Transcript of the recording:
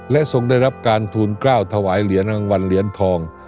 และทรงได้รับการทูลกล้าวถวายเหรียญรางวัลเหรียญทอง